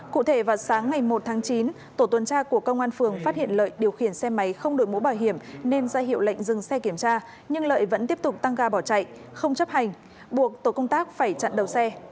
cụ thể vào sáng ngày một tháng chín tổ tuần tra của công an phường phát hiện lợi điều khiển xe máy không đổi mũ bảo hiểm nên ra hiệu lệnh dừng xe kiểm tra nhưng lợi vẫn tiếp tục tăng ga bỏ chạy không chấp hành buộc tổ công tác phải chặn đầu xe